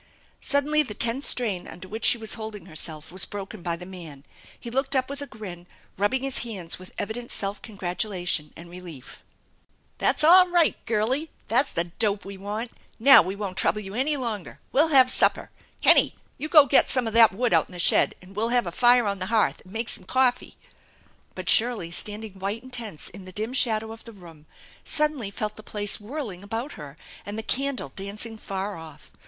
Suddenly the tense strain under which she was holding herself was broken by the man. He looked up with a grin, rubbing his hands with evident self gratulation and relief :" That's all right, Girlie ! That's the dope we want. Now we won't trouble you any longer. We'll have supper. Hennie, you go get some of that wood out in the shed and we'll have a fire on the hearth and make some coffee !" But Shirley, standing white and tense in the dim shadow of the room, suddenly felt the place whirling about her, and the candle dancing afar off.